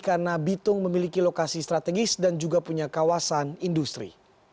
karena bitung memiliki lokasi strategis dan juga punya kawasan industri